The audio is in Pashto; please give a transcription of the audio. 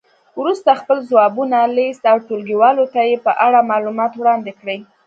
وروسته خپل ځوابونه لیست او ټولګیوالو ته یې په اړه معلومات وړاندې کړئ.